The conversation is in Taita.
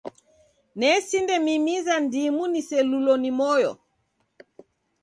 Nesindamimiza ndimu niselulo ni moyo.